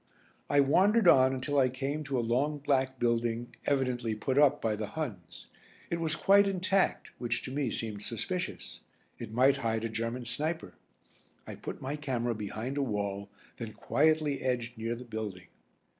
I wandered on until I came to a long black building, evidently put up by the Huns. It was quite intact, which to me seemed suspicious. It might hide a German sniper. I put my camera behind a wall then quietly edged near the building.